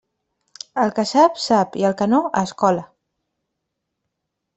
El que sap, sap, i el que no, a escola.